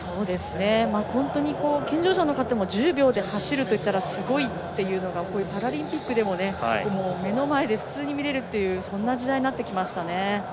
本当に健常者の方でも１０秒で走るというのはすごいっていうのがこのパラリンピックでも目の前で普通に見れるという時代になってきました。